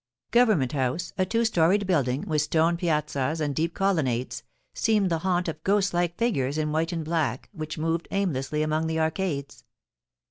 Government House, a two storied building, with stone piazzas and deep colonnades, seemed the haunt of ghost like figures in white and black, which moved aimlessly among the arcades.